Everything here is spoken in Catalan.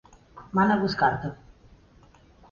Mana buscar-te.